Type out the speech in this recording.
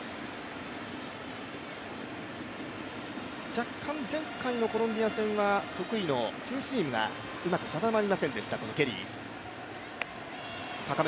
若干前回のコロンビア戦は得意のツーシームがうまく定まりませんでしたケリー。